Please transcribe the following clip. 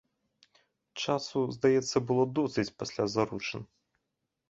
Часу, здаецца, было досыць пасля заручын?